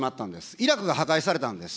イラクが破壊されたんです。